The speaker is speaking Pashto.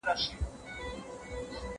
کتابونه لوستل کړه!؟